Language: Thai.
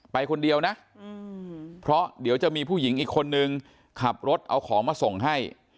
ไปคนเดียวนะเพราะเดี๋ยวจะมีผู้หญิงอีกคนนึงขับรถเอาของมาส่งให้